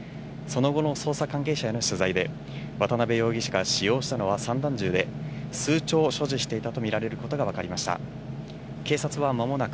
その後の捜査関係者への取材で、渡辺容疑者が使用したのは散弾銃で、数丁所持していたとみられることが分かりました。